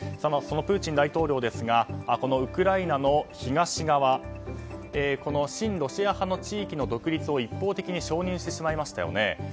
そのプーチン大統領ですがこのウクライナの東側この親ロシア派の地域の独立を一方的に承認してしまいましたよね。